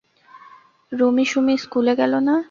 রুমী সুমী স্কুলে গেল না।